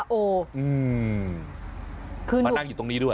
มานั่งอยู่ตรงนี้ด้วย